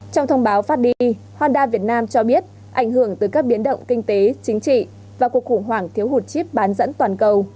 trong thông báo phát đi honda việt nam cho biết ảnh hưởng từ các biến động kinh tế chính trị và cuộc khủng hoảng thiếu hụt chip bán dẫn toàn cầu